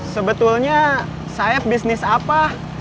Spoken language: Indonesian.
sebetulnya saeb bisnis apa